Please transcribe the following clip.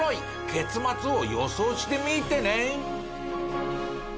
結末を予想してみてね。